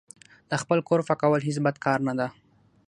د خپل کور پاکول هیڅ بد کار نه ده.